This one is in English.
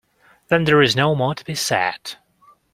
Then there is no more to be said.